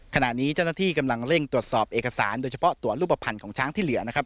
ขณะนี้เจ้าหน้าที่กำลังเร่งตรวจสอบเอกสารโดยเฉพาะตัวรูปภัณฑ์ของช้างที่เหลือนะครับ